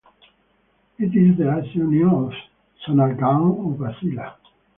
It is the last union of Sonargaon Upazila.